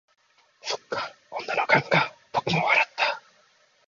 「そっか、女の勘か」僕も笑った。